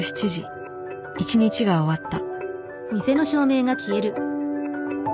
一日が終わった。